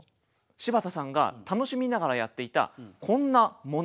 柴田さんが楽しみながらやっていたこんなもの。